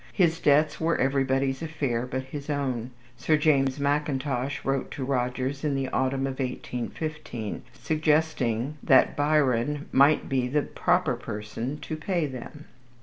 His debts were everybody's affair but his own. Sir James Mackintosh wrote to Rogers in the autumn of 1815, suggesting that Byron might be the proper person to pay them.